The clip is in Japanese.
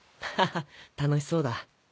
ハハッ楽しそうだ。